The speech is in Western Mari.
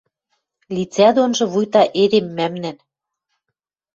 Лицӓ донжы вуйта эдем мӓмнӓн